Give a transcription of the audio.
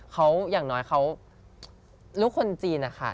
เขาอย่างน้อยลูกคนจีนค่ะ